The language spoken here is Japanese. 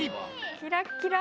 キラッキラ！